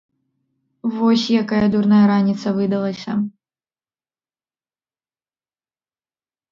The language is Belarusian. Вось якая дурная раніца выдалася.